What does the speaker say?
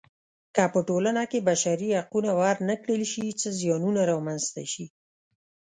که په ټولنه کې بشري حقونه ورنه کړل شي څه زیانونه رامنځته شي.